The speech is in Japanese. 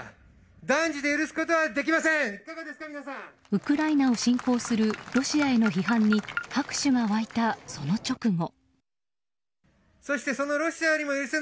ウクライナを侵攻するロシアへの批判に拍手が沸いた、その直後。